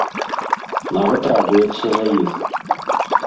Нават радуецца за іх.